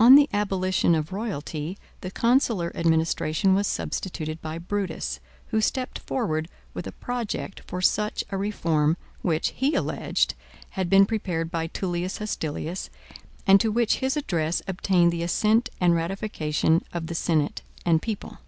On the abolition of royalty the consular administration was substituted by Brutus, who stepped forward with a project for such a reform, which, he alleged, had been prepared by Tullius Hostilius, and to which his address obtained the assent and ratification of the senate and people.